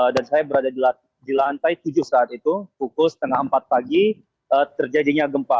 dan saya berada di lantai tujuh saat itu pukul setengah empat pagi terjadinya gempa